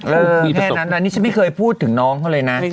เพศแท้นั้นแล้วนี้ฉันไม่เคยคุยถึงน้องเขาเลยนะ